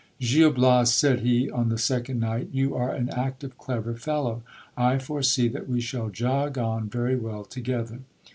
Gil Bias, said he, on the second night, you are an active, clever fellow ; I foresee that we shall jog on very well together.